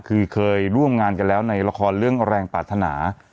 คือเคยร่วมงานกันแล้วในละครเรื่องแรงปรารถนา